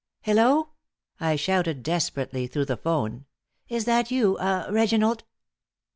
"Hello!" I shouted, desperately, through the 'phone. "Is that you ah Reginald?"